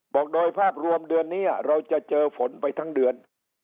บอกโดยภาพรวมเดือนนี้เราจะเจอฝนไปทั้งเดือน